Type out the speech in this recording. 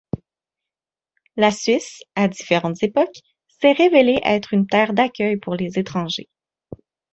La Suisse, à différentes époques, s'est révélée être une terre d'accueil pour les étrangers.